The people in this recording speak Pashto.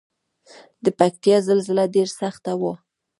د پکتیکا زلزله ډیره سخته وه